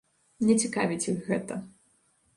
Не цікавіць іх гэта.